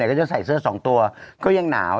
ก็จะใส่เสื้อ๒ตัวก็ยังหนาว